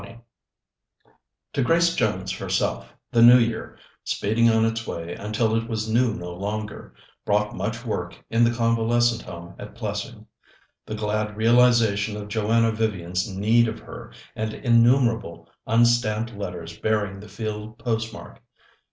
XX To Grace Jones herself the New Year, speeding on its way until it was new no longer, brought much work in the convalescent home at Plessing, the glad realization of Joanna Vivian's need of her, and innumerable unstamped letters bearing the field postmark.